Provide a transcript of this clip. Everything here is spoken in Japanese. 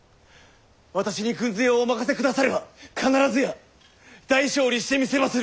私に軍勢をお任せくだされば必ずや大勝利してみせまする！